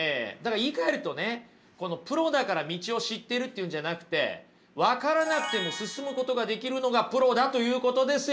言いかえるとねプロだから道を知ってるっていうんじゃなくて分からなくても進むことができるのがプロだということですよ